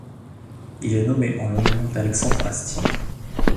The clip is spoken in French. Il est nommé en l'honneur d'Alexandre Astier.